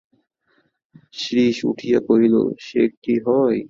শ্রীশ উঠিয়া কহিল, সে কি হয়!